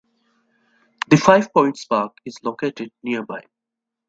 The Five Points Park is located nearby.